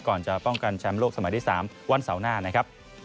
ก่อนจะป้องกันแชมป์โลกสมัยที่๓วันเสาร์หน้านะครับ